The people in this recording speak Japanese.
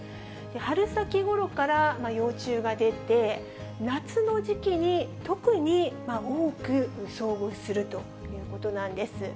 春先ごろから幼虫が出て、夏の時期に特に多く遭遇するということなんです。